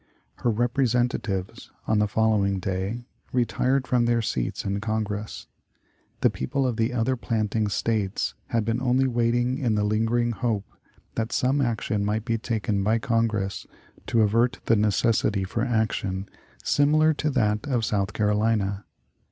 Her representatives, on the following day, retired from their seats in Congress. The people of the other planting States had been only waiting in the lingering hope that some action might be taken by Congress to avert the necessity for action similar to that of South Carolina.